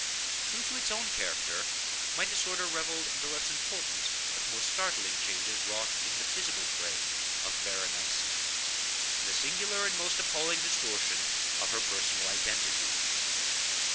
True to its own character, my disorder revelled in the less important but more startling changes wrought in the physical frame of Berenice—in the singular and most appalling distortion of her personal identity.